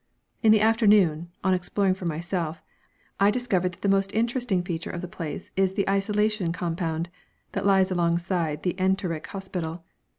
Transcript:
In the afternoon, on exploring for myself, I discovered that the most interesting feature of the place is the isolation compound that lies alongside the enteric hospital.